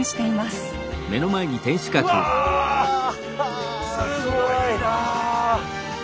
すごいなあ！